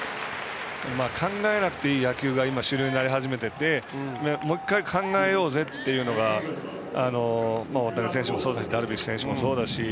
考えなくていい野球が主流になっていてもう１回考えようぜっていうのが大谷選手もそうだしダルビッシュ選手もそうだし